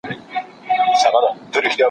عام خلګ د سياسي پريکړو اصلي قربانيان دي.